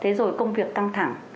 thế rồi công việc căng thẳng